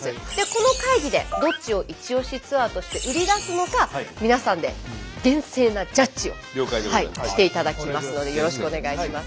この会議でどっちをイチオシツアーとして売り出すのか皆さんで厳正なジャッジをしていただきますのでよろしくお願いします。